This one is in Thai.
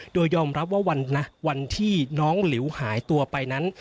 โดยยอมรับว่าวันที่น้องหลิวหายตัวไปนั้น